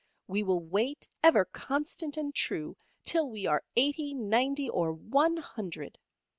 We will wait ever constant and true till we are eighty, ninety, or one hundred.